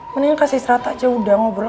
mendingan kasih serat aja udah ngobrol